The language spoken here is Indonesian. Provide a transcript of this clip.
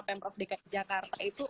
pemprov dki jakarta itu